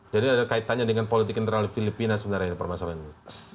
jadi ada kaitannya dengan politik internal filipina sebenarnya permasalahannya